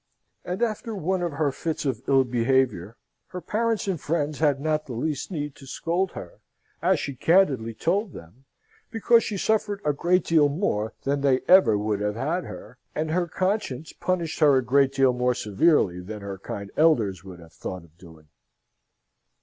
And after one of her fits of ill behaviour, her parents and friends had not the least need to scold her, as she candidly told them, because she suffered a great deal more than they would ever have had her, and her conscience punished her a great deal more severely than her kind elders would have thought of doing.